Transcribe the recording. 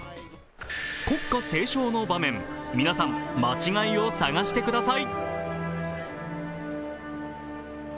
国歌斉唱の場面、皆さん、間違いを探してください。